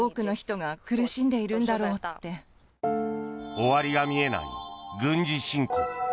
終わりが見えない軍事侵攻。